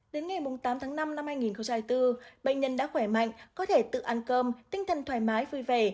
đến ngày tám tháng năm năm hai nghìn hai mươi bốn bệnh nhân đã khỏe mạnh có thể tự ăn cơm tinh thần thoải mái vui vẻ